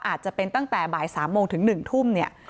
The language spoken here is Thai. อาจจะเป็นตั้งแต่บ่าย๓โมงถึง๑ทุ่มเนี่ย